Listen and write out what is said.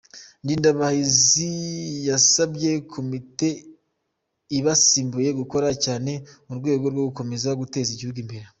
Ndindabahizi yasabye komite ibasimbuye gukora cyane mu rwego rwo gukomeza guteza igihugu imbere.